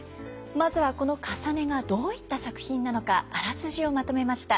まずはこの「かさね」がどういった作品なのかあらすじをまとめました。